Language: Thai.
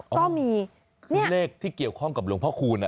ก็มีนี่อ่าใช่ค่ะเลขที่เกี่ยวข้องกับหลวงพ่อคูณ